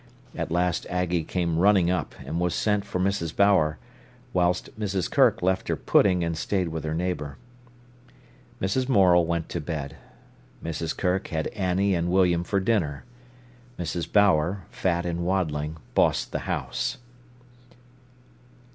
At last Aggie came running up, and was sent for Mrs. Bower, whilst Mrs. Kirk left her pudding and stayed with her neighbour. Mrs. Morel went to bed. Mrs. Kirk had Annie and William for dinner. Mrs. Bower, fat and waddling, bossed the house.